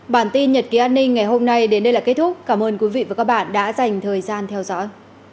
bản tin nhật ký an ninh ngày hôm nay đến đây là kết thúc cảm ơn quý vị và các bạn đã dành thời gian theo dõi